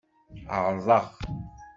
Ɛerḍeɣ.